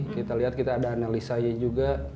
kita lihat kita ada analisanya juga